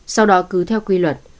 sau đó cứ theo quy luật